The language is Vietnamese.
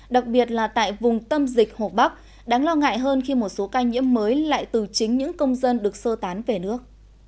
đặc biệt là tại vùng tâm dịch hồ bắc đáng lo ngại hơn khi một số ca nhiễm mới lại từ chính những công dân được sơ tán về nước